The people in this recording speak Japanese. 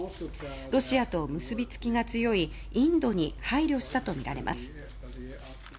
ロシアと結びつきが強いインドに配慮したとみられます。